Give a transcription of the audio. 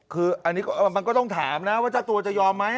คืออันนี้มันก็ต้องถามนะว่าเจ้าตัวจะยอมไหม